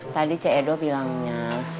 tadi ce edo bilangnya